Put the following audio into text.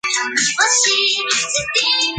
现在为卡普空公司最知名的电子游戏人物。